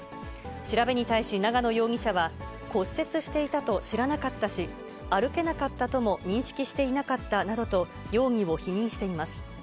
調べに対し長野容疑者は、骨折していたと知らなかったし、歩けなかったとも認識していなかったなどと、容疑を否認しています。